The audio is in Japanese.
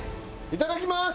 いただきます！